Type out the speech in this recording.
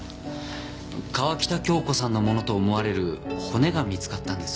川喜多京子さんのものと思われる骨が見つかったんです。